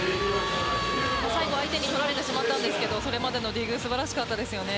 最後相手に取られてしまったんですがそれまでのディグ素晴らしかったですよね。